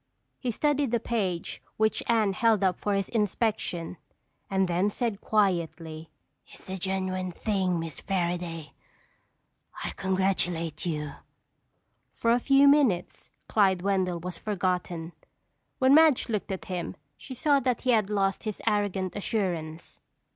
He studied the page which Anne held up for his inspection and then said quietly: "It's the genuine thing. Miss Fairaday, I congratulate you." For a few minutes Clyde Wendell was forgotten. When Madge looked at him she saw that he had lost his arrogant assurance.